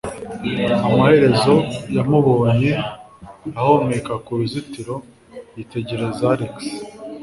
Amaherezo, yamubonye, ahomeka ku ruzitiro, yitegereza Alex.